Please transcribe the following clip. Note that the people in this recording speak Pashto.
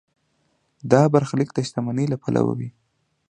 دا برخلیک د شتمنۍ له پلوه وي.